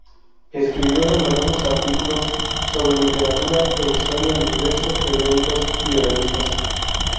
Escribió numerosos artículos sobre literatura e historia en diversos periódicos y revistas.